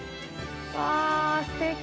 わあ、すてき。